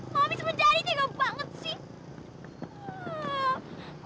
mau habis menjadi tega banget sih